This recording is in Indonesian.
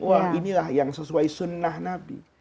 wah inilah yang sesuai sunnah nabi